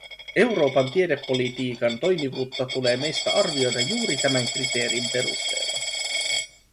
Euroopan tiedepolitiikan toimivuutta tulee meistä arvioida juuri tämän kriteerin perusteella.